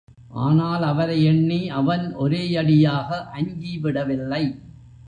ஆனால் அவரை எண்ணி அவன் ஒரேயடியாக அஞ்சிவிடவில்லை.